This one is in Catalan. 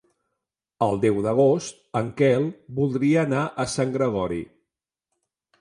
El deu d'agost en Quel voldria anar a Sant Gregori.